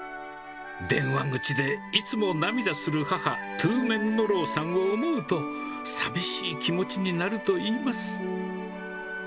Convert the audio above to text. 電話口でいつも涙する母、さんを思うと、寂しい気持ちになるといいます。